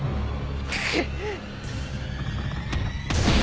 くっ。